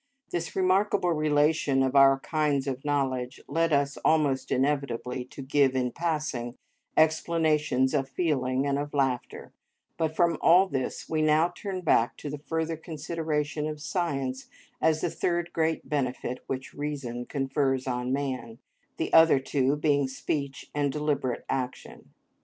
This remarkable relation of our kinds of knowledge led us almost inevitably to give, in passing, explanations of feeling and of laughter, but from all this we now turn back to the further consideration of science as the third great benefit which reason confers on man, the other two being speech and deliberate action.